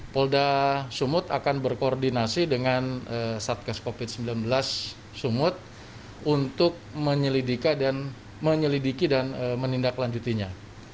polda sumut akan berkoordinasi dengan satgas covid sembilan belas sumut untuk menyelidiki dan menindaklanjutinya